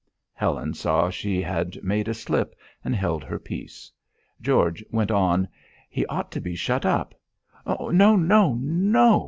Helen saw she had made a slip, and held her peace. George went on: "He ought to be shut up." "No! no! no!"